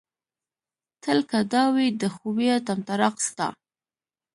تل که دا وي د خوبيه طمطراق ستا